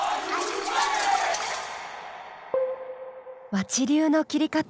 和知流の切り方。